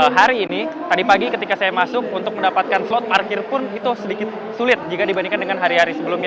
hari ini tadi pagi ketika saya masuk untuk mendapatkan slot parkir pun itu sedikit sulit jika dibandingkan dengan hari hari sebelumnya